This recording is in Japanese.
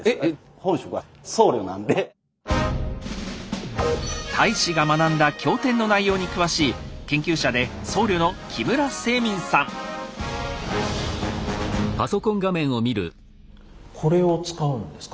本職は太子が学んだ経典の内容に詳しい研究者で僧侶のこれを使うんですか？